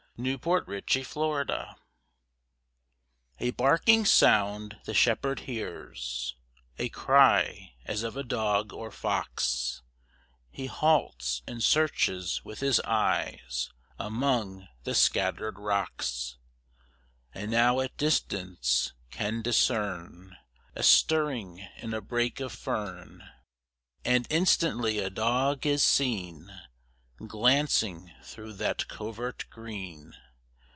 FRANCIS DOYLE. FIDELITY A barking sound the shepherd hears, A cry as of a dog or fox; He halts, and searches with his eyes Among the scattered rocks; And now at distance can discern A stirring in a brake of fern, And instantly a dog is seen, Glancing through that covert green.